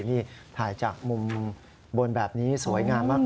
นี่ถ่ายจากมุมบนแบบนี้สวยงามมาก